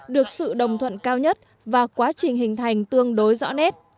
được sự đồng thuận cao nhất và quá trình hình thành tương đối rõ nét